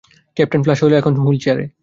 Captain Flash এখন wheel চেয়ারে।